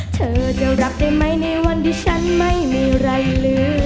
เธอจะรับได้ไหมในวันที่ฉันไม่มีอะไรลือ